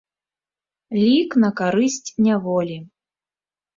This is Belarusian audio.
Лік на карысць няволі.